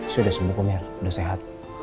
sudah sembuh kok mia udah sehat